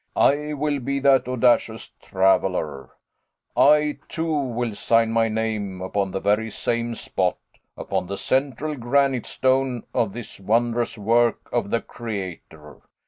I will be that audacious traveler I, too, will sign my name upon the very same spot, upon the central granite stone of this wondrous work of the Creator.